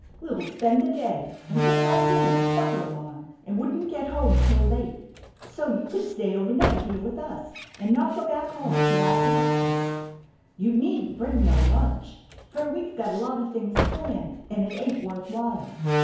We will spend the day, and take our dinner and supper along, and wouldn't get home till late; so you could stay overnight here with us, and not go back home till after breakfast. You needn't bring no lunch; fer we've got a lot of things planned, and it ain't worth while.